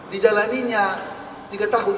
dijalaninya tiga tahun